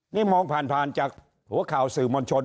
นี่มองผ่านจากหัวข่าวสื่อมวลชน